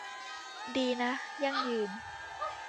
ดีนะ ยั่งยืน